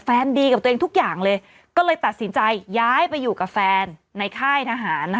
ดีกับตัวเองทุกอย่างเลยก็เลยตัดสินใจย้ายไปอยู่กับแฟนในค่ายทหาร